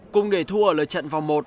cùng để thua ở lời trận vòng một